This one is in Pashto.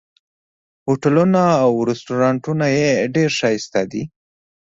هوټلونه او رسټورانټونه یې ډېر ښایسته دي.